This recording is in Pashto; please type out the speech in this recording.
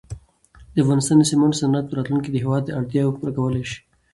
د افغانستان د سېمنټو صنعت په راتلونکي کې د هېواد اړتیاوې پوره کولای شي.